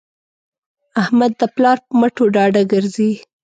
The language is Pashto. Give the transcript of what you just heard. احمد د پلار په مټو ډاډه ګرځي.